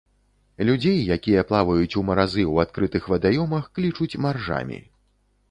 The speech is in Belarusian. Людзей, якія плаваюць у маразы у адкрытых вадаёмах, клічуць маржамі.